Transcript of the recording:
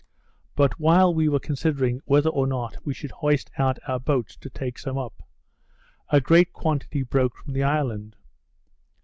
But while we were considering whether or no we should hoist out our boats to take some up, a great quantity broke from the island.